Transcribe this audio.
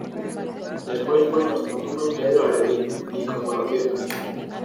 después fué nuestro numen Pedro Aretino, y como oraciones